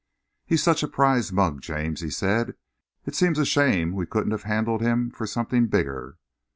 "He's such a prize mug, James," he said. "It seems a shame we couldn't have handled him for something bigger."